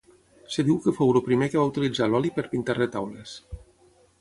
Es diu que fou el primer que va utilitzar l'oli per pintar retaules.